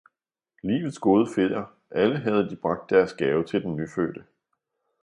Livets gode feer, alle havde de bragt deres gave til den nyfødte.